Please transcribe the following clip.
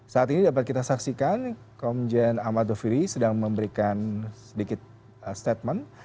saat ini dapat kita saksikan komjen ahmad doviri sedang memberikan sedikit statement